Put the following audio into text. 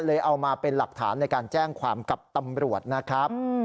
เอามาเป็นหลักฐานในการแจ้งความกับตำรวจนะครับ